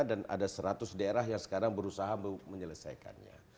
dan ada seratus daerah yang sekarang berusaha menyelesaikannya